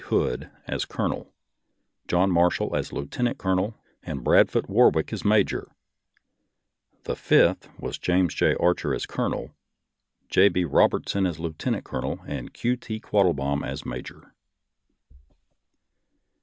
Hood as colonel, John Marshall as lieutenant colonel, and Bradfute Warwick as major; the Fifth with Jas. J. Archer as colonel, J. B. Rob 10 INTRODUCTION ertson as lieutenant colonel, and Q. T. Quattle baum as major.